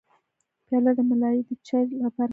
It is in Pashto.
پیاله د ملای د چای لپاره خاصه ده.